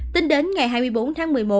tính đến ngày hai mươi bốn tháng một mươi một